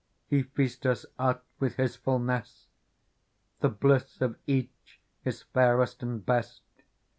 He feasteth us with His fulness. The bliss of each is fairest and best.